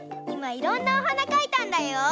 いまいろんなおはなかいたんだよ。